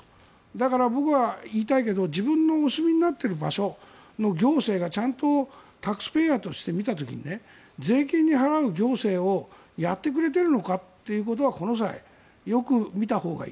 だから僕は言いたいけど自分のお住みになってる場所の行政がちゃんとタックスプレーヤーとして見た時に税金を払う行政をやってくれてるのかということはこの際、よく見たほうがいい。